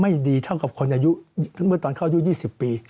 ไม่ดีเท่ากับคนอายุตอนเข้าอายุ๒๐ปี